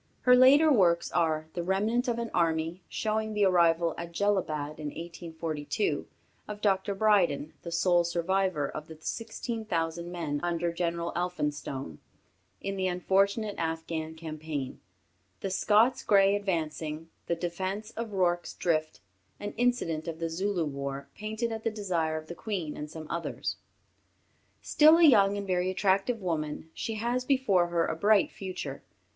Her later works are "The Remnant of an Army," showing the arrival at Jellalabad, in 1842, of Dr. Brydon, the sole survivor of the sixteen thousand men under General Elphinstone, in the unfortunate Afghan campaign; the "Scots Greys Advancing," "The Defence of Rorke's Drift," an incident of the Zulu War, painted at the desire of the Queen and some others. Still a young and very attractive woman, she has before her a bright future.